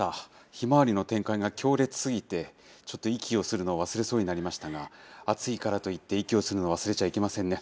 ひまわりの展開が強烈すぎて、ちょっと息をするのを忘れそうになりましたが、暑いからといって息をするのを忘れちゃいけませんね。